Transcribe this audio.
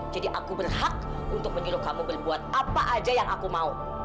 jadi aku berhak untuk menyuruh kamu berbuat apa aja yang aku mau